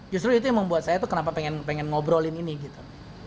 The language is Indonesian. justru itu yang membuat saya tuh kenapa pengen ngobrolin ini gitu